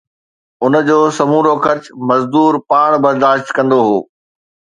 ان جو سمورو خرچ مزدور پاڻ برداشت ڪندو هو